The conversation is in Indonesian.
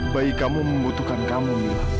bayi kamu membutuhkan kamu